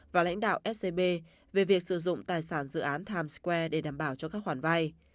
và lãnh đạo scb về việc sử dụng tài sản dự án times square để đảm bảo cho các khoản vay